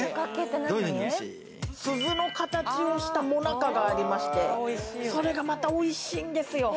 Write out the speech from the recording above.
鈴の形をしたもなかがありまして、それがまた美味しいんですよ。